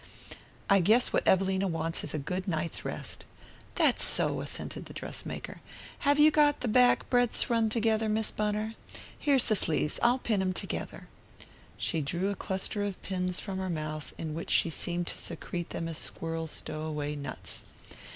"I guess what Evelina wants is a good night's rest." "That's so," assented the dress maker. "Have you got the back breadths run together, Miss Bunner? Here's the sleeves. I'll pin 'em together." She drew a cluster of pins from her mouth, in which she seemed to secrete them as squirrels stow away nuts.